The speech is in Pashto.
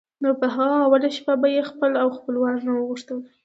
نو په هغه اوله شپه به یې خپل او خپلوان را غوښتل.